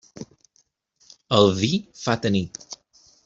El vi fa tenir.